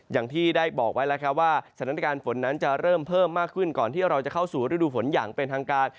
อย่างที่ได้บอกไว้แล้วครับว่าสถานการณ์ฝนนั้นจะเริ่มเพิ่มมากขึ้นก่อนที่เราจะเข้าสู่ฤดูฝนอย่างเป็นทางการ